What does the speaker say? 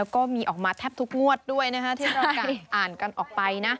ก็มีออกมาแทบทุกงวดด้วยที่เราอ่านกันออกไปนะ